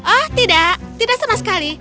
oh tidak tidak sama sekali